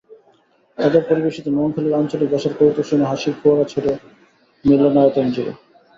তাঁদের পরিবেশিত নোয়াখালীর আঞ্চলিক ভাষার কৌতুক শুনে হাসির ফোয়ারা ছোটে মিলনায়তনজুড়ে।